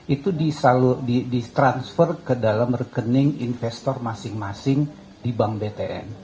itu ditransfer ke dalam rekening investor masing masing di bank btn